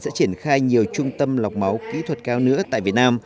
sẽ triển khai nhiều trung tâm lọc máu kỹ thuật cao nữa tại việt nam